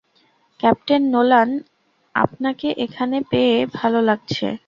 Captain Nolan, আপনাকে এখানে পেয়ে ভালো লাগছে।